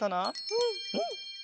うん！